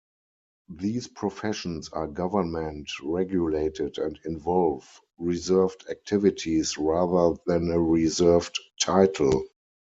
These professions are government regulated and involve reserved activities rather than a reserved title.